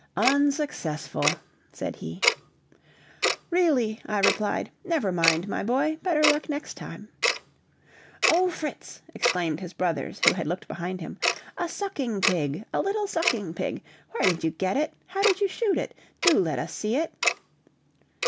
"Unsuccessful!" said he. "Really!" I replied; "never mind, my boy, better luck next time." "Oh, Fritz!" exclaimed his brothers, who had looked behind him, "a sucking pig, a little sucking pig. Where did you get it? How did you shoot it? Do let us see it!"